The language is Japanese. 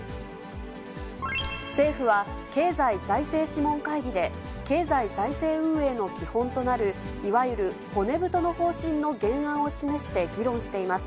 政府は、経済財政諮問会議で経済財政運営の基本となる、いわゆる骨太の方針の原案を示して議論しています。